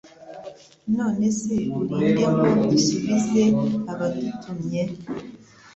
None se uri nde ngo dusubize abadutumye ?